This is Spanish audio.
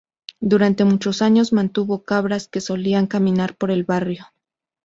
Durante muchos años mantuvo cabras que solían caminar por el barrio.